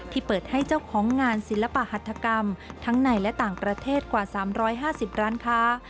เปิดให้เจ้าของงานศิลปหัฐกรรมทั้งในและต่างประเทศกว่า๓๕๐ร้านค้า